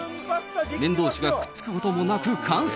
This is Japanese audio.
麺どうしがくっつくこともなく完成。